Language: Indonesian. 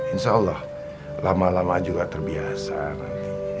insyaallah lama lama juga terbiasa nanti ya